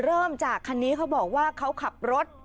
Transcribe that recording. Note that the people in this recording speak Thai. เริ่มจากคันนี้เขาบอกว่าเขาขับรถ